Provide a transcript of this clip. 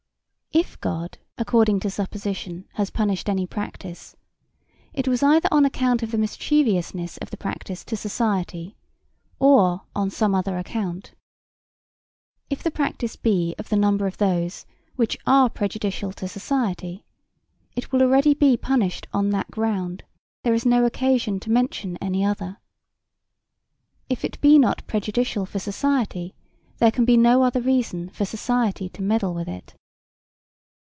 If God according to supposition has punished any practise, it was either on account of the mischievousness of the practise to society or on some other account. If the practise be of the number of those which are prejudicial to society, it will already be punished on that ground; there is no occasion to mention any other. If it be not prejudicial for society, there can be no other reason for society to meddle with it.